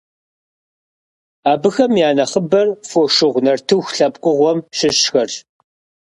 Абыхэм я нэхъыбэр «фошыгъу» нартыху лъэпкъыгъуэм щыщхэрщ.